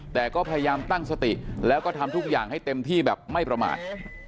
แต่ก็พยายามตั้งสติแล้วก็ทำทุกอย่างให้เต็มที่แบบไม่ประมาท